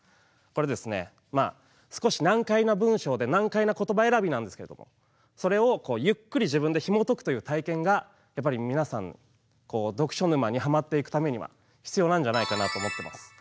これ、少し難解な文章で難解な言葉選びなんですがそれを、ゆっくり自分でひもとくという体験が皆さん、読書沼にハマっていくためには必要なんじゃないかなと思います。